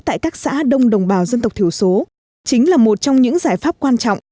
tại các xã đông đồng bào dân tộc thiểu số chính là một trong những giải pháp quan trọng